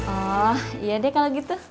oh ya deh kalau gitu